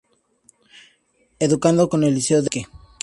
Educado en el Liceo de Iquique.